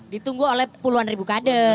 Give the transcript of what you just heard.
ditunggu oleh puluhan ribu kader